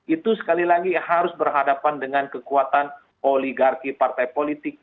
itu sekali lagi harus berhadapan dengan kekuatan oligarki partai politik